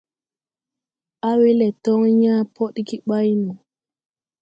Awelɛ tɔŋ yãã pɔɗge ɓay no.